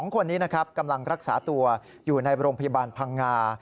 ๒คนนี้นะครับกำลังรักษาตัวอยู่ในโรงพยาบาลพังงา